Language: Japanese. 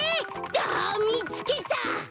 あみつけた！